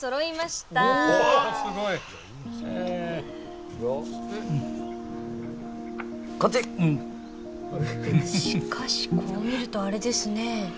しかしこう見るとあれですね。